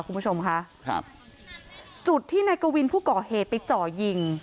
คุณผู้ชมค่ะครับจุดที่นายกวินผู้ก่อเหตุไปจ่อยิง